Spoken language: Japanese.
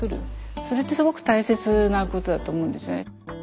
それってすごく大切なことだと思うんですよね。